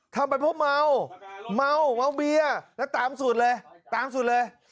ทำเป็นพวกเมาเมาเมาเบียแล้วตามสุดเลยตามสุดเลย